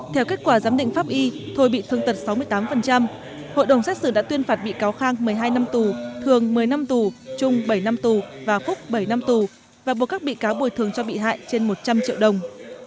theo kết quả giám định pháp y thôi bị thương tật sáu mươi tám hội đồng xét xử đã tuyên phạt bị cáo khang một mươi hai năm tù thường một mươi năm tù trung bảy năm tù và phúc bảy năm tù và buộc các bị cáo bồi thường cho bị hại trên một trăm linh triệu đồng